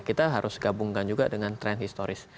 kita harus gabungkan juga dengan tren historis